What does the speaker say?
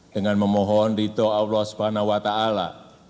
dengan memohon ridho aulose bannawata'ala